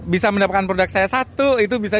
bisa mendapatkan produk saya satu itu bisa